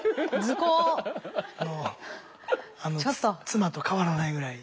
妻と変わらないぐらい。